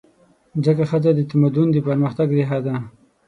ځکه ښځه د تمدن د پرمختګ ریښه ده.